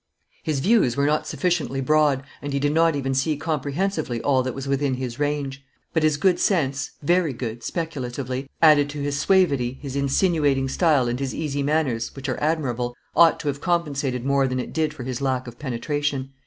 His views were not sufficiently broad, and he did not even see comprehensively all that was within his range, but his good sense, very good, speculatively, added to his suavity, his insinuating style, and his easy manners, which are admirable, ought to have compensated more than it did for his lack of penetration.